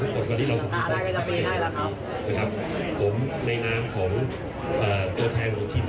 เพราะว่าวันนี้สำเร็จในอันหนึ่งแต่ยังไม่เห็นทั้งหมดนะครับ